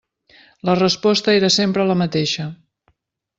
La resposta era sempre la mateixa.